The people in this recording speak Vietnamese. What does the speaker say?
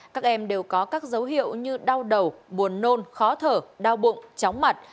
các em đều có các dấu hiệu như đau đầu buồn nôn khó thở đau bụng chóng mặt